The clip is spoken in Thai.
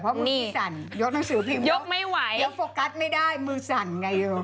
เพราะมือมันสั่นยกหนังสือพิมพ์ยกโฟกัสไม่ได้มือสั่นไงอยู่